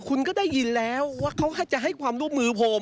คุณก็ได้ยินแล้วว่าเขาจะให้ความร่วมมือผม